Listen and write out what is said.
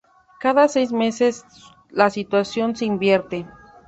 Cada seis meses la situación se invierte.